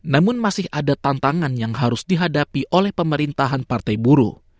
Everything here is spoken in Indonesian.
namun masih ada tantangan yang harus dihadapi oleh pemerintahan partai buruh